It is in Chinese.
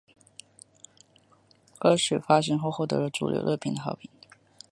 歌曲发行后获得了主流乐评的好评。